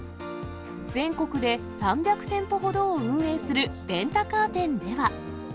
全国で３００店舗ほどを運営するレンタカー店では。